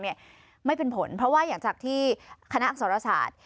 ไม่เป็นผลเพราะว่าหลังจากที่คณะอักษรศาสตร์